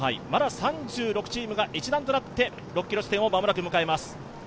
まだ３６チームが一団となって６ｋｍ地点を間もなく迎えます。